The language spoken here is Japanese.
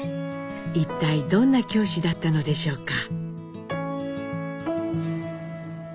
一体どんな教師だったのでしょうか。